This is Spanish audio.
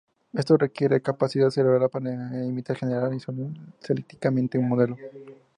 Esto requiere capacidad cerebral para imitar general o selectivamente un modelo.